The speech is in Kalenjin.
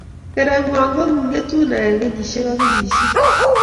Rirengwang ko kingetu nae kinyishe ak kinysihe.